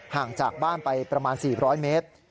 ห่างจากบ้านไปประมาณ๔๐๐เมตร